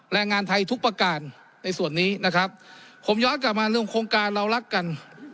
แรงงานไทยทุกประการในส่วนนี้นะครับผมย้อนกลับมาเรื่องโครงการเรารักกัน